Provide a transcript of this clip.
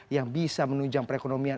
yang bisa menunjang perekonomian